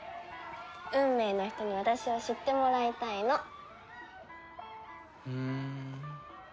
運命の人に私を知ってもらいたいの。ふーん。